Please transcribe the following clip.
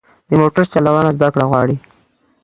د موټر چلوونه زده کړه غواړي.